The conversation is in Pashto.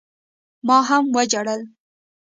ما هم وجړل.